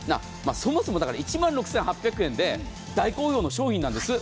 そもそも１万６８００円で大好評の商品なんです。